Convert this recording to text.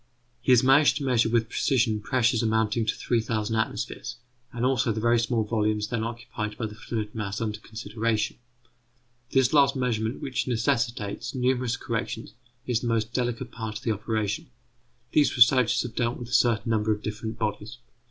He has managed to measure with precision pressures amounting to 3000 atmospheres, and also the very small volumes then occupied by the fluid mass under consideration. This last measurement, which necessitates numerous corrections, is the most delicate part of the operation. These researches have dealt with a certain number of different bodies.